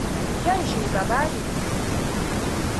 Ken shugaba ne.